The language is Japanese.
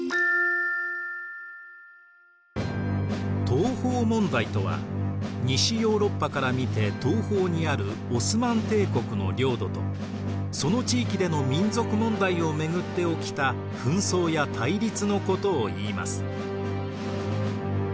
東方問題とは西ヨーロッパから見て東方にあるオスマン帝国の領土とその地域での民族問題を巡って起きた紛争や対立のことをいいます。